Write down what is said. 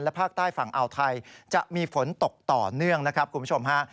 ภาคใต้ฝั่งอ่าวไทยจะมีฝนตกต่อเนื่องนะครับคุณผู้ชมฮะ